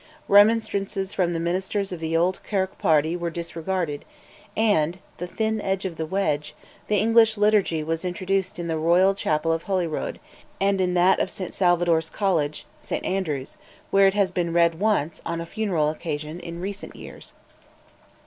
Remonstrances from the ministers of the old Kirk party were disregarded; and the thin end of the wedge the English Liturgy was introduced in the Royal Chapel of Holyrood and in that of St Salvator's College, St Andrews, where it has been read once, on a funeral occasion, in recent years.